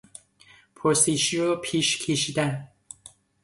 پرسشی را پیش کشیدن